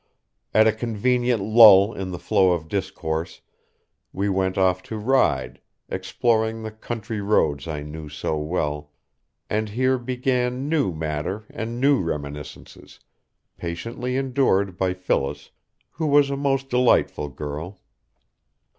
At a convenient lull in the flow of discourse we went off to ride, exploring the country roads I knew so well, and here began new matter and new reminiscences, patiently endured by Phyllis, who was a most delightful girl.